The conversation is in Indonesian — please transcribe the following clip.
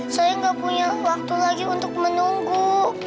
saya nggak punya waktu lagi untuk menunggu